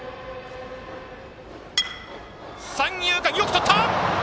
三遊間、よくとった！